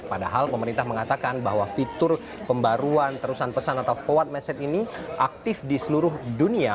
padahal pemerintah mengatakan bahwa fitur pembaruan terusan pesan atau forward message ini aktif di seluruh dunia